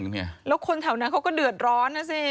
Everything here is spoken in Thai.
แล้วคนแถวนั้นเขาก็เดือดร้อนนะสิ